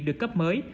được cấp mới